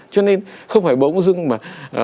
cho nên không phải bỗng dưng mà